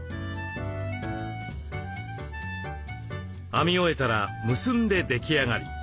編み終えたら結んで出来上がり。